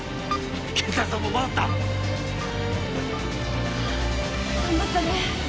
血圧の方も戻った頑張ったね